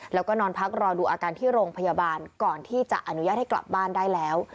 แล้วก็นอนพักรอดูอาการที่โรงพยาบาลก่อนที่จะอนุญาตให้กลับบ้านได้แล้ว